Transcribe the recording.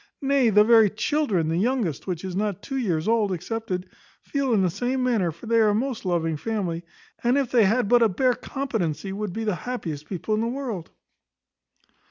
Nay, the very children, the youngest, which is not two years old, excepted, feel in the same manner; for they are a most loving family, and, if they had but a bare competency, would be the happiest people in the world."